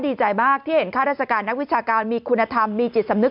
ดีใจมากที่เห็นข้าราชการนักวิชาการมีคุณธรรมมีจิตสำนึก